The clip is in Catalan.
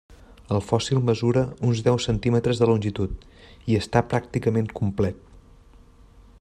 El fòssil mesura uns deu centímetres de longitud i està pràcticament complet.